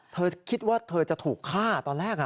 เธอคิดว่าเธอจะถูกฆ่าตอนแรก